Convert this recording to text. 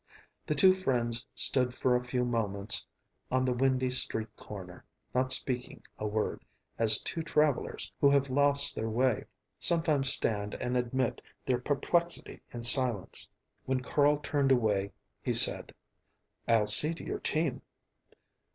The two friends stood for a few moments on the windy street corner, not speaking a word, as two travelers, who have lost their way, sometimes stand and admit their perplexity in silence. When Carl turned away he said, "I'll see to your team."